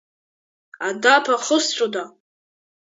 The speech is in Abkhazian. Адаԥа хызҵәода?